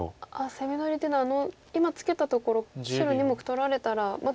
攻め取りというのは今ツケたところ白２目取られたらまた。